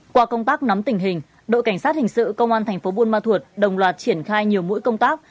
qua công tác nắm tình hình đội cảnh sát hình sự công an thành phố buôn ma thuột đồng loạt triển khai nhiều mũi công tác